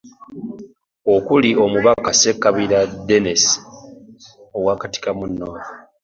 Okuli; Omubaka Ssekabira Dennis owa Katikamu North.